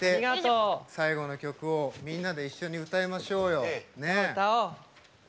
最後の曲をみんなで一緒に歌いましょうよ！